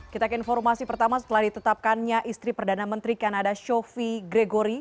kita ke informasi pertama setelah ditetapkannya istri perdana menteri kanada shofie gregory